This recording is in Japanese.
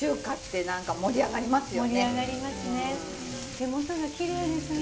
手元がきれいですね。